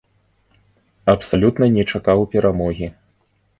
Абсалютна не чакаў перамогі.